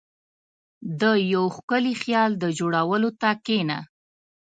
• د یو ښکلي خیال د جوړولو ته کښېنه.